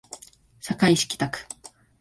堺市北区